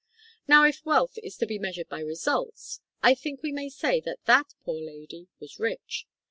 Now, if wealth is to be measured by results, I think we may say that that poor lady was rich.